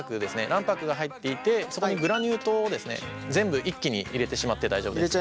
卵白が入っていてそこにグラニュー糖をですね全部一気に入れてしまって大丈夫です。